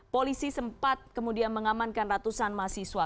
polisi sempat kemudian mengamankan ratusan mahasiswa